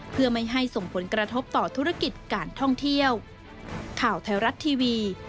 เพื่อไม่ให้ส่งผลกระทบต่อธุรกิจการท่องเที่ยว